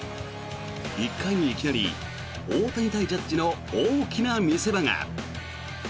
１回にいきなり大谷対ジャッジの大きな見せ場が。